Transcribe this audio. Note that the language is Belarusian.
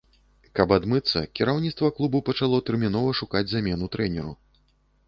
Каб адмыцца, кіраўніцтва клубу пачало тэрмінова шукаць замену трэнеру.